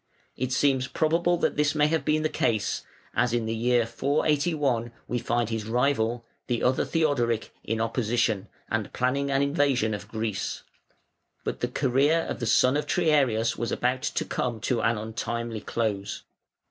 It seems probable that this may have been the case, as in the year 481 we find his rival, the other Theodoric, in opposition, and planning an invasion of Greece. But the career of the son of Triarius was about to come to an untimely close.